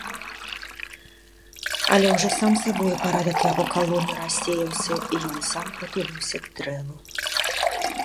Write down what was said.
Але ўжо сам сабою парадак яго калоны рассеяўся і ён сам прытуліўся к дрэву.